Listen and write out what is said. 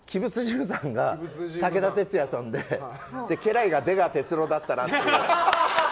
無惨が武田鉄矢さんで家来が出川哲朗だったらっていう。